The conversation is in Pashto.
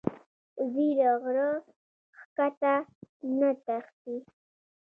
وزې له غره ښکته نه تښتي